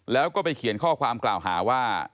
แล้วก็ไปเขียนข้อความกล่าวหาว่า